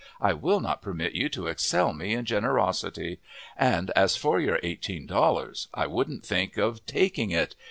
I will not permit you to excel me in generosity. And as for your $18. I wouldn't think of taking it!